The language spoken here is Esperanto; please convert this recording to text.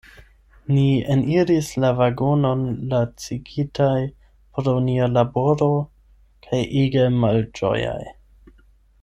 Ni eniris la vagonon lacigitaj pro nia laboro kaj ege malĝojaj.